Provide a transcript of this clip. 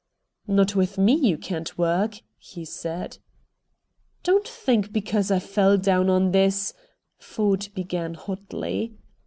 "Not with ME you can't work!" he said. "Don't think because I fell down on this," Ford began hotly.